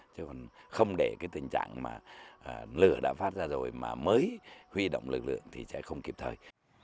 chứ còn không để cái tình trạng mà lửa đã phát ra rồi mà mới huy động lực lượng thì sẽ không kịp thời